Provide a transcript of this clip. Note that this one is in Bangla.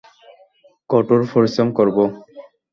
কঠোর পরিশ্রম করব।